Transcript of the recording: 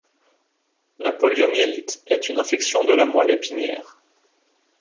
La poliomyélite est une infection de la moelle épinière.